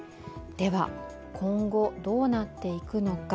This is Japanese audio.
今後、どうなっていくのか。